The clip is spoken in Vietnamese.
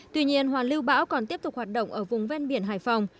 tuy nhiên hoàn lưu bão còn tiếp tục hoạt động ở vùng ven biển hải phòng